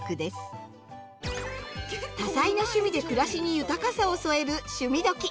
多彩な趣味で暮らしに豊かさを添える「趣味どきっ！」。